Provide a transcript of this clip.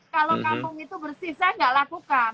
kalau kampung itu bersih saya nggak lakukan